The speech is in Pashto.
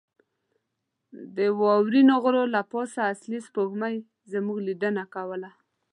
د واورینو غرو له پاسه اصلي سپوږمۍ زموږ لیدنه کوله.